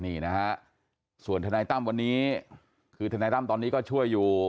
นี่นะฮะส่วนทนายตั้มวันนี้คือทนายตั้มตอนนี้ก็ช่วยอยู่